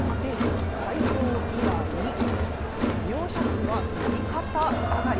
開業以来、利用者数は右肩上がり。